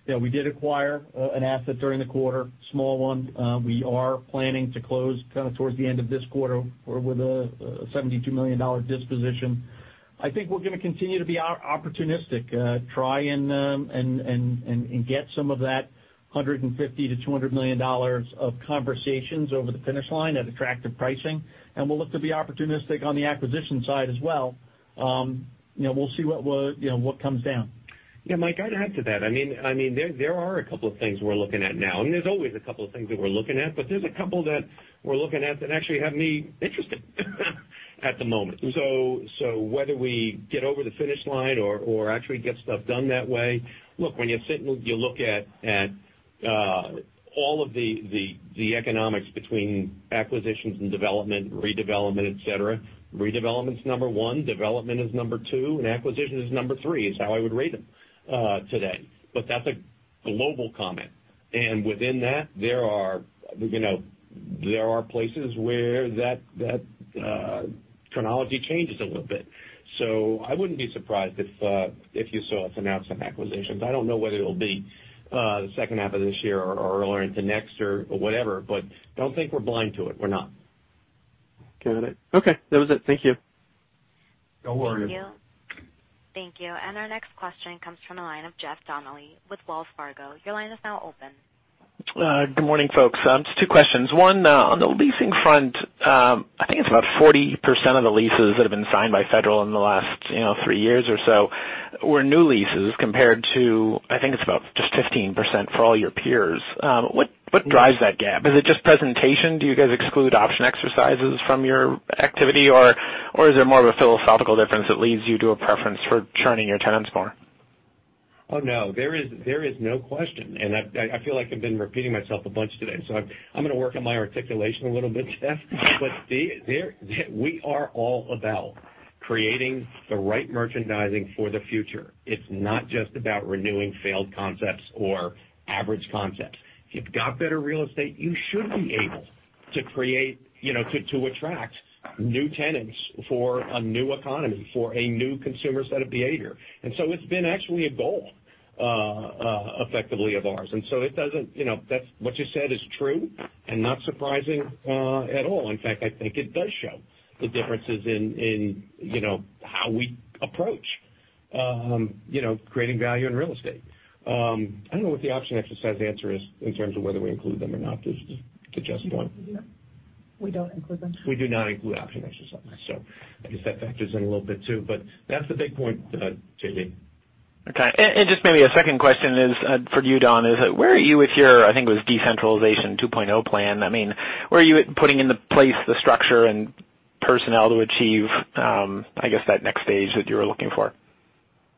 We did acquire an asset during the quarter, a small one. We are planning to close kind of towards the end of this quarter with a $72 million disposition. I think we're going to continue to be opportunistic, try and get some of that $150 million-$200 million of conversations over the finish line at attractive pricing, we'll look to be opportunistic on the acquisition side as well. We'll see what comes down. Yeah, Mike, I'd add to that. There are a couple of things we're looking at now, and there's always a couple of things that we're looking at, but there's a couple that we're looking at that actually have me interested at the moment. Whether we get over the finish line or actually get stuff done that way Look, when you look at all of the economics between acquisitions and development, redevelopment, et cetera, redevelopment's number one, development is number two, and acquisition is number three, is how I would rate them today. That's a global comment, and within that, there are places where that chronology changes a little bit. I wouldn't be surprised if you saw us announce some acquisitions. I don't know whether it'll be the second half of this year or into next or whatever, but don't think we're blind to it. We're not. Got it. Okay, that was it. Thank you. No worries. Thank you. Our next question comes from the line of Jeffrey Donnelly with Wells Fargo. Your line is now open. Good morning, folks. Just two questions. One, on the leasing front, I think it's about 40% of the leases that have been signed by Federal in the last three years or so were new leases, compared to, I think it's about just 15% for all your peers. What drives that gap? Is it just presentation? Do you guys exclude option exercises from your activity, or is it more of a philosophical difference that leads you to a preference for churning your tenants more? Oh, no. There is no question. I feel like I've been repeating myself a bunch today, so I'm going to work on my articulation a little bit, Jeff. We are all about creating the right merchandising for the future. It's not just about renewing failed concepts or average concepts. If you've got better real estate, you should be able to attract new tenants for a new economy, for a new consumer set of behavior. It's been actually a goal, effectively, of ours. What you said is true and not surprising at all. In fact, I think it does show the differences in how we approach creating value in real estate. I don't know what the option exercise answer is in terms of whether we include them or not. This is to Jeff's point. We do not. We don't include them. We do not include option exercises. I guess that factors in a little bit too. That's the big point, JD. Okay. Just maybe a second question for you, Don, is where are you with your, I think it was decentralization 2.0 plan. Where are you at putting into place the structure and personnel to achieve, I guess, that next stage that you were looking for?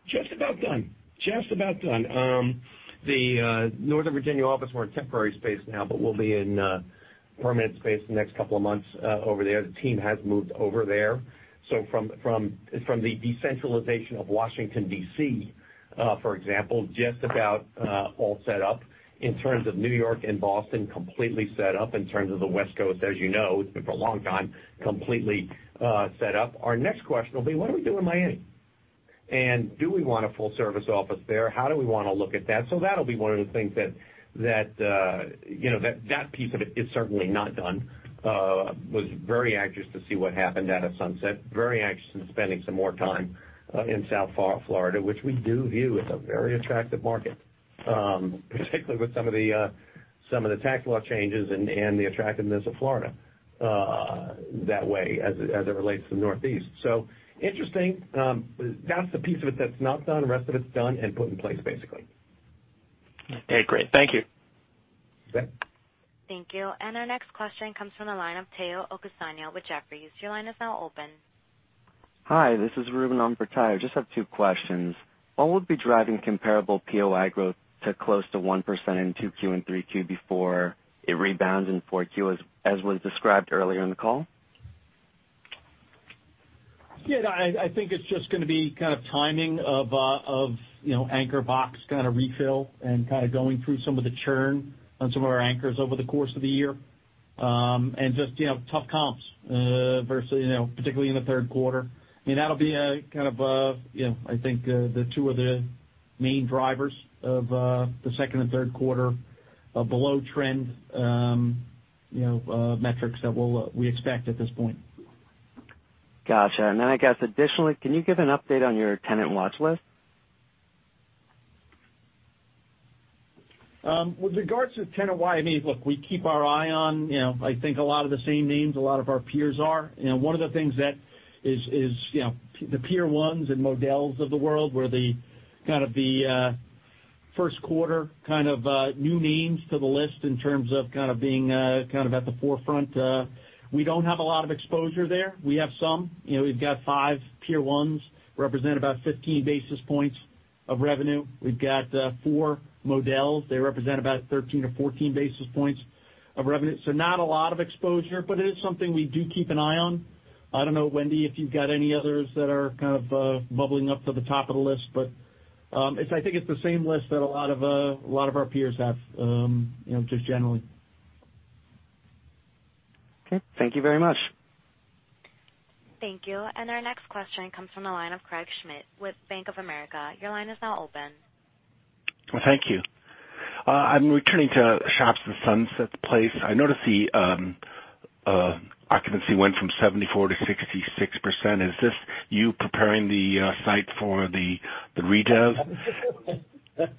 Just about done. Just about done. The Northern Virginia office, we're in temporary space now, but we'll be in permanent space the next couple of months over there. The team has moved over there. From the decentralization of Washington, D.C., for example, just about all set up. In terms of New York and Boston, completely set up. In terms of the West Coast, as you know, it's been for a long time, completely set up. Our next question will be, what do we do in Miami? Do we want a full service office there? How do we want to look at that? That'll be one of the things that piece of it is certainly not done. Was very anxious to see what happened out of Sunset. Very anxious in spending some more time in South Florida, which we do view as a very attractive market, particularly with some of the tax law changes and the attractiveness of Florida that way as it relates to the Northeast. Interesting. That's the piece of it that's not done. The rest of it's done and put in place, basically. Okay, great. Thank you. You bet. Thank you. Our next question comes from the line of Teo Ocasio with Jefferies. Your line is now open. Hi, this is Ruben. I'm pretty tired. Just have two questions. What would be driving comparable POI growth to close to 1% in 2Q and 3Q before it rebounds in 4Q as was described earlier in the call? Yeah, I think it's just going to be kind of timing of anchor box kind of refill and kind of going through some of the churn on some of our anchors over the course of the year. Just tough comps versus particularly in the third quarter. That'll be kind of I think the two of the main drivers of the second and third quarter below trend metrics that we expect at this point. Got you. Then I guess additionally, can you give an update on your tenant watch list? With regards to tenant Y, look, we keep our eye on, I think a lot of the same names a lot of our peers are. One of the things that is the Pier 1s and Modell's of the world, were the first quarter kind of new names to the list in terms of being at the forefront. We don't have a lot of exposure there. We have some. We've got five Pier 1s, represent about 15 basis points of revenue. We've got four Modell's. They represent about 13 or 14 basis points of revenue. Not a lot of exposure, but it's something we do keep an eye on. I don't know, Wendy, if you've got any others that are kind of bubbling up to the top of the list, but I think it's the same list that a lot of our peers have, just generally. Okay. Thank you very much. Thank you. Our next question comes from the line of Craig Schmidt with Bank of America. Your line is now open. Thank you. I'm returning to shops in Sunset Place. I noticed the occupancy went from 74% to 66%. Is this you preparing the site for the redev?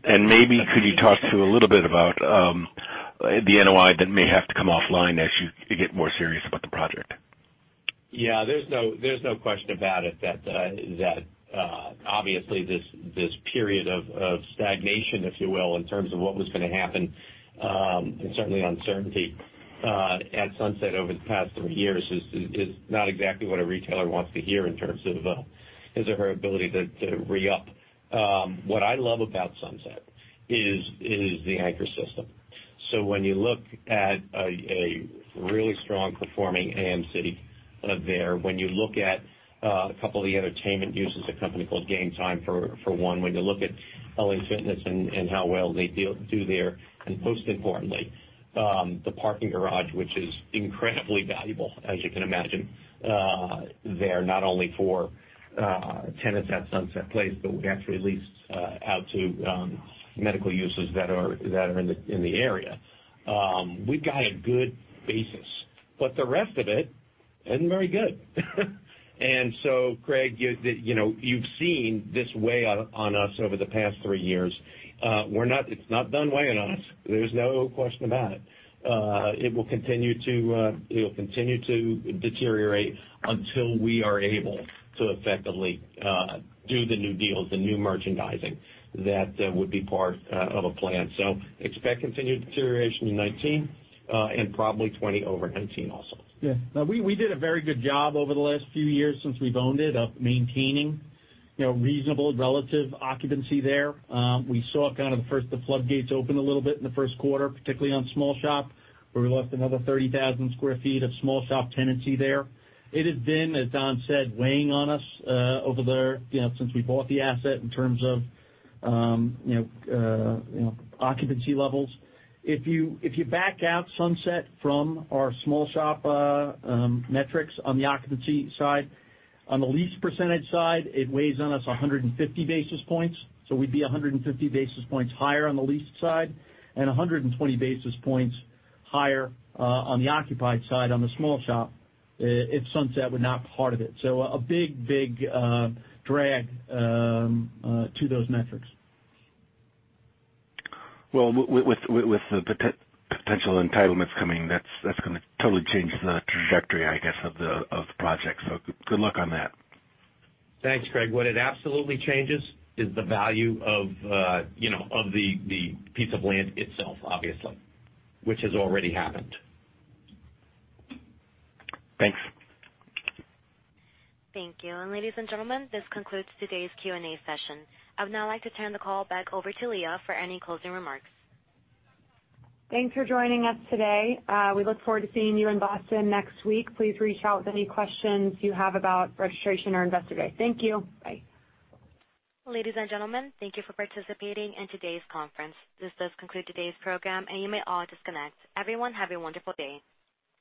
Maybe could you talk to a little bit about the NOI that may have to come offline as you get more serious about the project? Yeah. There's no question about it that obviously this period of stagnation, if you will, in terms of what was going to happen, and certainly uncertainty, at Sunset over the past three years is not exactly what a retailer wants to hear in terms of his or her ability to re-up. What I love about Sunset is the anchor system. When you look at a really strong performing AMC there, when you look at a couple of the entertainment uses, a company called GameTime for one, when you look at LA Fitness and how well they do there, and most importantly, the parking garage, which is incredibly valuable, as you can imagine, they're not only for tenants at Sunset Place, but we actually leased out to medical users that are in the area. We've got a good basis, the rest of it isn't very good. Craig, you've seen this weigh on us over the past three years. It's not done weighing on us. There's no question about it. It will continue to deteriorate until we are able to effectively do the new deals, the new merchandising that would be part of a plan. Expect continued deterioration in 2019, and probably 2020 over 2019 also. Yeah. No, we did a very good job over the last few years since we've owned it of maintaining reasonable relative occupancy there. We saw the floodgates open a little bit in the first quarter, particularly on small shop, where we lost another 30,000 sq ft of small shop tenancy there. It has been, as Don said, weighing on us over there since we bought the asset in terms of occupancy levels. If you back out Sunset from our small shop metrics on the occupancy side, on the lease percentage side, it weighs on us 150 basis points. We'd be 150 basis points higher on the leased side and 120 basis points higher on the occupied side on the small shop if Sunset were not part of it. A big drag to those metrics. Well, with the potential entitlements coming, that's going to totally change the trajectory, I guess, of the project. Good luck on that. Thanks, Craig. What it absolutely changes is the value of the piece of land itself, obviously, which has already happened. Thanks. Thank you. Ladies and gentlemen, this concludes today's Q&A session. I would now like to turn the call back over to Leah for any closing remarks. Thanks for joining us today. We look forward to seeing you in Boston next week. Please reach out with any questions you have about registration or Investor Day. Thank you. Bye. Ladies and gentlemen, thank you for participating in today's conference. This does conclude today's program, and you may all disconnect. Everyone, have a wonderful day.